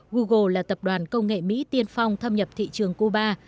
google là tập đoàn công nghệ mỹ tiên phong thâm nhập thị trường cuba